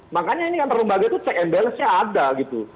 makanya ini antar lembaga itu check and balance nya ada gitu